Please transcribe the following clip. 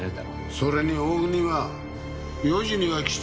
それに大國は４時には来ちまう。